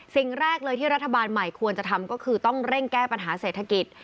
สิ่งแรกเลยที่รัฐบาลใหม่ควรจะทำก็คือต้องเร่งแก้ปัญหาเศรษฐกิจ